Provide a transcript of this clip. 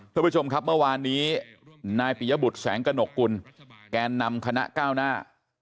ทุกผู้ชมครับเมื่อวานนี้นายปิยบุตรแสงกระหนกกุลแกนนำคณะก้าวหน้า